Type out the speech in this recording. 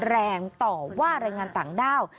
แรงต่อว่าแรงงานต่างด้าว